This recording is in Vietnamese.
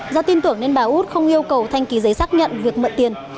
do tin tưởng nên bà út không yêu cầu thanh ký giấy xác nhận việc mượn tiền